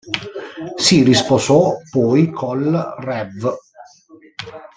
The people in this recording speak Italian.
Si risposò poi col rev.